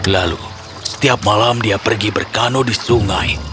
lalu setiap malam dia pergi berkano di sungai